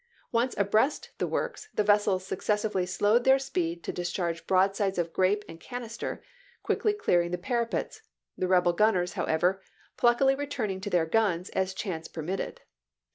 Once abreast the works, the vessels successively slowed their speed to dis charge broadsides of grape and canister, quickly clearing the parapets ; the rebel gunners, however, pluckily returning to their guns as chance per mitted.